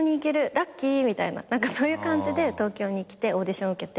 ラッキー」みたいなそういう感じで東京に来てオーディション受けて。